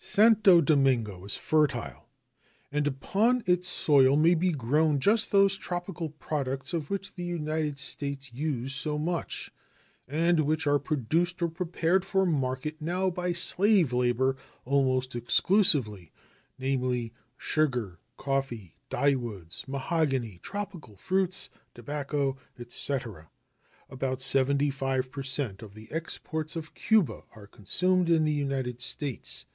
Santo Domingo is fertile, and upon its soil may be grown just those tropical products of which the United States use so much, and which are produced or prepared for market now by slave labor almost exclusively, namely, sugar, coffee, dyewoods, mahogany, tropical fruits, tobacco, etc. About 75 per cent of the exports of Cuba are consumed in the United States.